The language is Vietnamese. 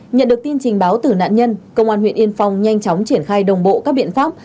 nhận được tin trình báo từ nạn nhân công an huyện yên phong nhanh chóng triển khai đồng bộ các biện pháp